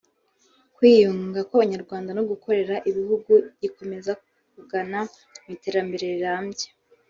kwiyunga kw’Abanyarwanda no gukorera igihugu gikomeza kugana mu iterambere rirambye